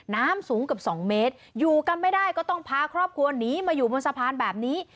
น้ำสูงเกือบสองเมตรอยู่กันไม่ได้ก็ต้องพาครอบครัวหนีมาอยู่บนสะพานแบบนี้